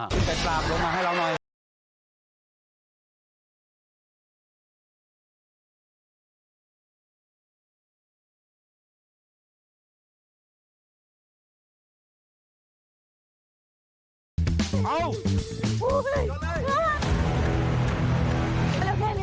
ขึ้นไปปราบลงมาให้เราหน่อย